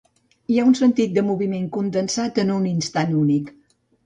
Hi ha un sentit de moviment condensat en un instant únic.